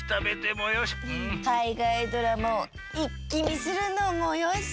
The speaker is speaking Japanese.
かいがいドラマをいっきみするのもよし。